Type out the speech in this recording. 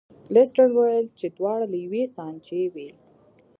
لیسټرډ وویل چې دواړه له یوې سانچې وې.